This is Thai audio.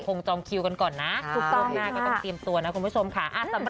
ก็ต้องเตรียมตัวนะคุณผู้ชมค่ะ